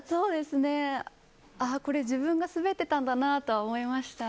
これ自分が滑ってたんだなとは思いました。